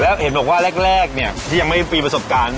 แล้วเห็นบอกว่าแรกเนี่ยที่ยังไม่มีประสบการณ์